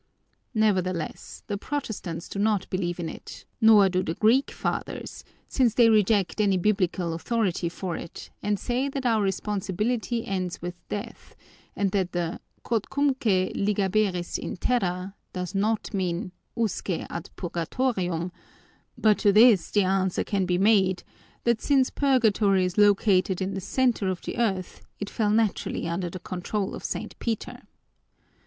Nevertheless, the Protestants do not believe in it nor do the Greek Fathers, since they reject any Biblical authority for it and say that our responsibility ends with death, and that the 'Quodcumque ligaberis in terra,' does not mean 'usque ad purgatorium,' but to this the answer can be made that since purgatory is located in the center of the earth it fell naturally under the control of St. Peter.